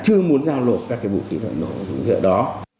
chưa muốn giao lộ các vũ khí vật liệu nổ công cụ hỗ trợ đó